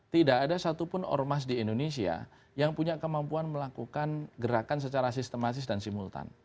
tidak ada satupun ormas di indonesia yang punya kemampuan melakukan gerakan secara sistematis dan simultan